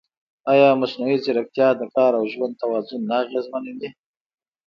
ایا مصنوعي ځیرکتیا د کار او ژوند توازن نه اغېزمنوي؟